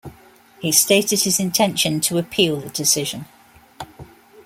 He stated his intention to appeal the decision.